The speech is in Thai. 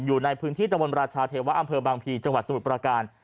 อยู่ในพื้นที่ตะบนราชาเทวะอำเภอบางพีจังหวัดสมุทรประการ